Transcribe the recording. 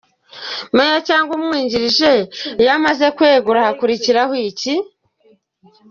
Mayor cyangwa umwungirije iyo amaze kwegura hakurikiraho iki?